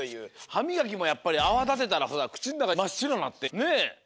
はみがきもやっぱりあわだてたらくちのなかまっしろになってね。